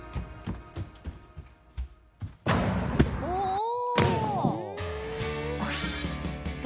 おお！